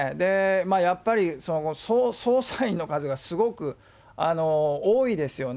やっぱり捜査員の数がすごく多いですよね。